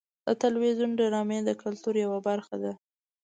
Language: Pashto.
د تلویزیون ډرامې د کلتور یوه برخه ده.